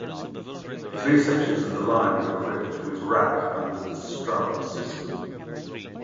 Three sections of the line are equipped with rack under the strub system.